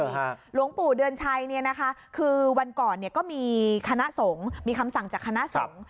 หลวงปู่เดือนชัยคือวันก่อนก็มีคำสั่งจากคณะสงฆ์